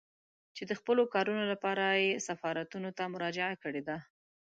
چې د خپلو کارونو لپاره يې سفارتونو ته مراجعه کړې ده.